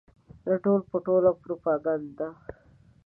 نه ټول په ټوله پروپاګنډه ده.